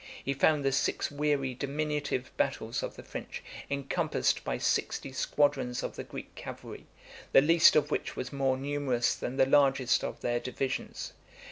He found the six weary diminutive battles of the French encompassed by sixty squadrons of the Greek cavalry, the least of which was more numerous than the largest of their divisions.